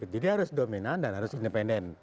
jadi harus dominan dan harus independen